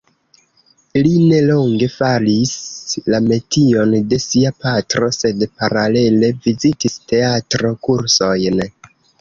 Li nelonge faris la metion de sia patro sed paralele vizitis teatro-kursojn.